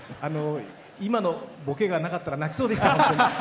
今のボケがなかったら泣きそうでした、本当に。